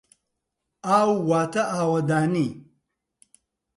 ئاو واتە ئاوەدانی.